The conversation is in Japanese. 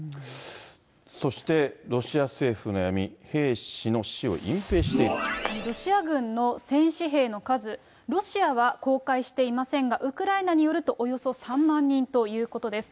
そしてロシア政府の闇、ロシア軍の戦死兵の数、ロシアは公開していませんが、ウクライナによるとおよそ３万人ということです。